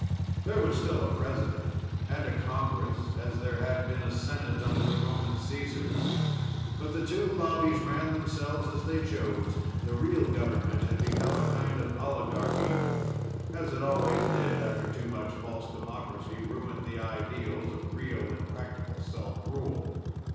There was still a president and a congress, as there had been a Senate under the Roman Caesars. But the two Lobbies ran themselves as they chose. The real government had become a kind of oligarchy, as it always did after too much false democracy ruined the ideals of real and practical self rule.